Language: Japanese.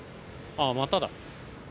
ああ、まただ。